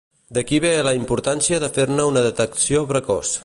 D'aquí ve la importància de fer-ne una detecció precoç.